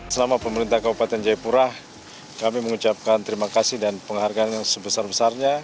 selama pemerintah kabupaten jayapura kami mengucapkan terima kasih dan penghargaan yang sebesar besarnya